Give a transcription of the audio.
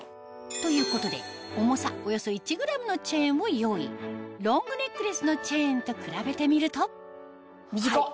ということで重さおよそ１ｇのチェーンを用意ロングネックレスのチェーンと比べてみると短っ！